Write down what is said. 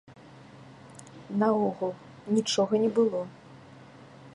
Наогул, нічога не было.